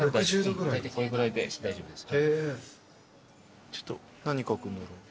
これぐらいで大丈夫です。